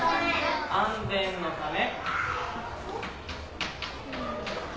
安全のため。